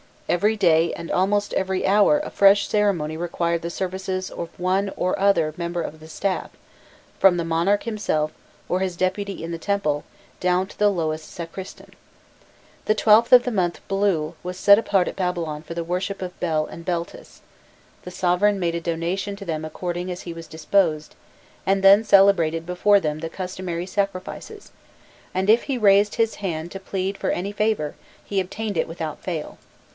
Every day and almost every hour a fresh ceremony required the services of one or other member of the staff, from the monarch himself, or his deputy in the temple, down to the lowest sacristan. The 12th of the month Blul was set apart at Babylon for the worship of Bel and Beltis: the sovereign made a donation to them according as he was disposed, and then celebrated before them the customary sacrifices, and if he raised his hand to plead for any favour, he obtained it without fail.